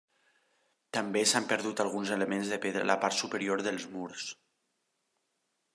També s'han perdut alguns elements de pedra de la part superior dels murs.